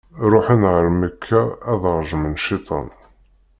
Ruḥen ɣer Mekka ad rejmen cciṭan.